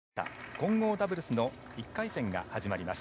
混合ダブルスの１回戦が始まります。